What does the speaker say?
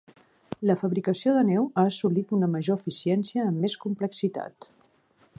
La fabricació de neu ha assolit una major eficiència amb més complexitat.